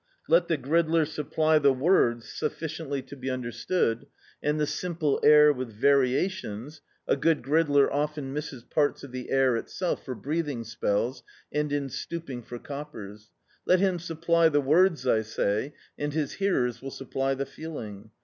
Let the gridler supply the words sufBciently to be understood, and the simple air with variations — a good gridler often misses parts of the air itself for breathing spells and in stooping for coppers — let him supply the words, I say, and his hearers will supply the feeling.